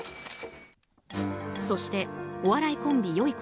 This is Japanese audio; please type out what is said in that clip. そして、お笑いコンビよゐ